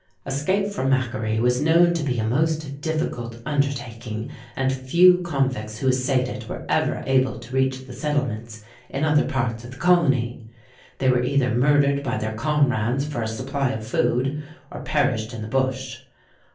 Escape from Macquarie was known to be a most difficult undertaking; and few convicts who essayed it were ever able to reach the settlements in other parts of the Colony. They were either murdered by their comrades for a supply of food, or perished in the bush.